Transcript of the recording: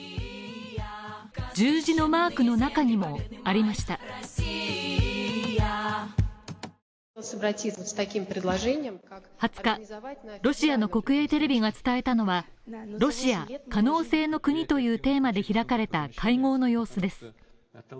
十字のマークの中にもありました２０日、ロシアの国営テレビが伝えたのはロシア可能性の国というテーマで開かれた会合の様子です。